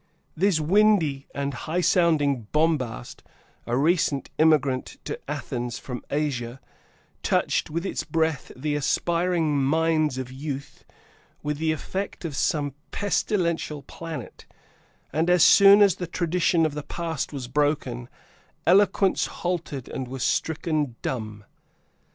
This windy and high sounding bombast, a recent immigrant to Athens, from Asia, touched with its breath the aspiring minds of youth, with the effect of some pestilential planet, and as soon as the tradition of the past was broken, eloquence halted and was stricken dumb.